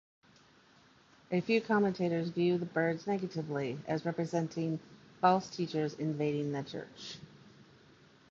A few commentators view the birds negatively, as representing false teachers invading the church.